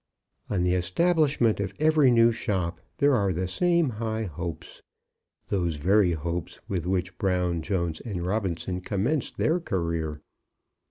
On the establishment of every new shop there are the same high hopes, those very hopes with which Brown, Jones, and Robinson commenced their career.